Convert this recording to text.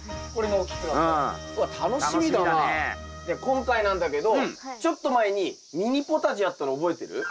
今回なんだけどちょっと前にミニポタジェやったの覚えてる？